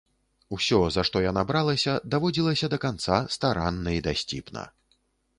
Усё, за што яна бралася, даводзілася да канца старанна і дасціпна.